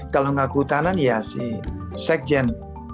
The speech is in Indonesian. kalau nggak kehutanan ya si sekjen